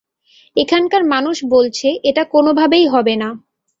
এখানকার মানুষ বলছে এটা কোনভাবেই হবে না।